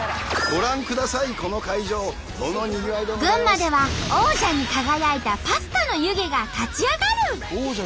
群馬では王者に輝いたパスタの湯気が立ち上がる。